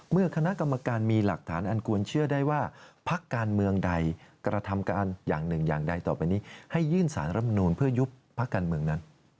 เมื่อคณะกรรมการมีหลักฐานอันควรเชื่อได้ว่าพักการเมืองใดกระทำการอย่างหนึ่งอย่างใดต่อไปนี้ให้ยื่นสารรับนูนเพื่อยุบพักการเมืองนั้น